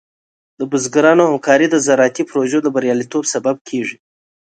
د بزګرانو همکاري د زراعتي پروژو د بریالیتوب سبب کېږي.